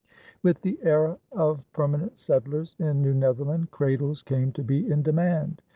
With the era of permanent settlers in New Netherland, cradles came to be in demand.